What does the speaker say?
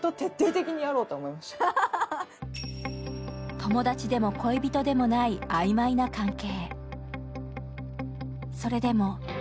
友達でも恋人でもない曖昧な関係。